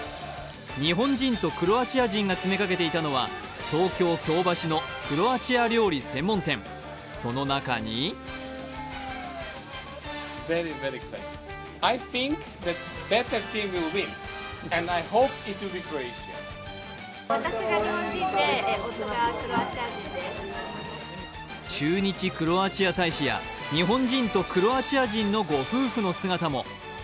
日本人とクロアチア人が詰めかけていたのは、東京・京橋のクロアチア料理専門店その中に駐日クロアチア大使や日本人とクロアチア人のご夫婦の姿も。